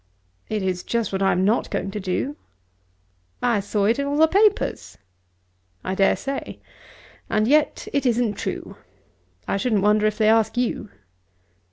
"It is just what I am not going to do." "I saw it all in the papers." "I dare say; and yet it isn't true. I shouldn't wonder if they ask you."